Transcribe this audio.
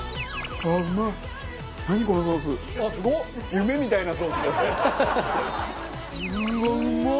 夢みたいなソース。